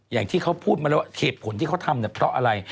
อย่างที่เขาพูดมาแล้วว่าเหตุผลที่เขาทำเนี่ยเพราะอะไร